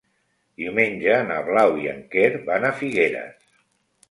Diumenge na Blau i en Quer van a Figueres.